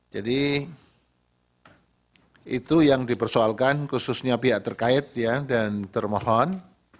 jadi itu yang dipersoalkan khususnya pihak terkait dan termohon